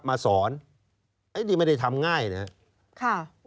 มาสอนเอ๊ะที่นี่ไม่ได้ทำง่ายนะครับค่ะ